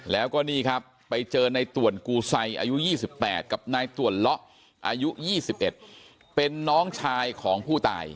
แล้วก็นี่ครับไปเจอในต่วนกูไซอายุ๒๘กับนายต่วนเลาะอายุ๒๑เป็นน้องชายของผู้ตาย